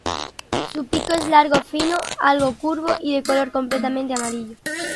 Su pico es largo fino, algo curvo, y de color completamente amarillo.